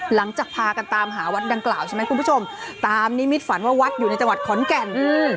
หลังจากพากันตามหาวัดดังกล่าวใช่ไหมคุณผู้ชมตามนิมิตฝันว่าวัดอยู่ในจังหวัดขอนแก่นอืม